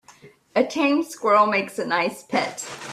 A tame squirrel makes a nice pet.